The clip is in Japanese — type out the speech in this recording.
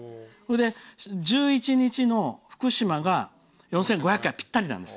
１１日の福島が４５００回ぴったりなんです。